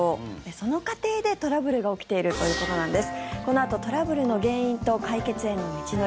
その過程でトラブルが起きているということなんです。